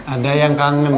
ada yang kangen